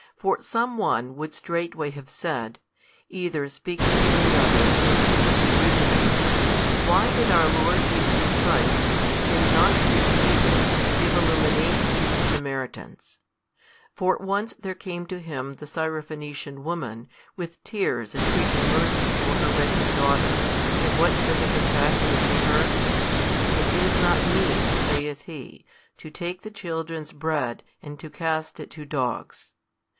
For some one would straightway have said, either speaking to another, or secretly reasoning, Why did our Lord Jesus Christ, in not fit season, give illumination to the Samaritans? For once there came to Him the Syrophenician woman, with tears entreating mercy for her wretched daughter; and what said the Compassionate to her? It is not meet, saith He, to take the children's bread, and to cast it to dogs.